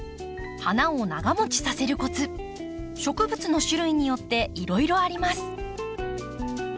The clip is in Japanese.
花を長もちさせるコツ植物の種類によっていろいろあります。